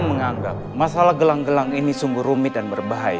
menganggap masalah gelang gelang ini sungguh rumit dan berbahaya